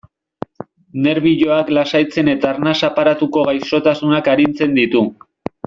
Nerbioak lasaitzen eta arnas aparatuko gaixotasunak arintzen ditu.